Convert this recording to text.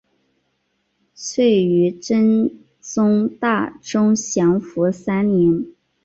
卒于真宗大中祥符三年。